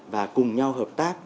và cùng nhau hợp tác